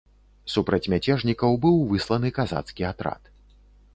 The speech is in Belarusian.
Супраць мяцежнікаў быў высланы казацкі атрад.